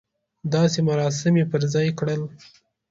داسې مراسم یې پر ځای کړل.